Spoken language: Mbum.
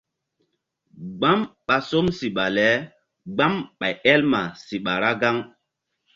Gbam ɓa som siɓa le gbam ɓay el ma siɓa ra gaŋ.